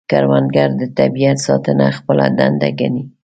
کروندګر د طبیعت ساتنه خپله دنده ګڼي